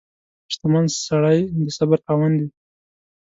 • شتمن سړی د صبر خاوند وي.